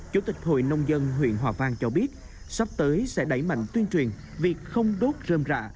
chủ tịch hội nông dân huyện hòa vang cho biết sắp tới sẽ đẩy mạnh tuyên truyền việc không đốt rơm rạ